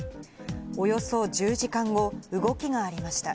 およそ１０時間後、動きがありました。